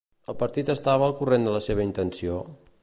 El partit estava al corrent de la seva intenció?